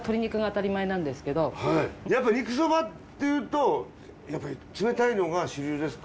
やっぱ肉そばっていうとやっぱり冷たいのが主流ですか？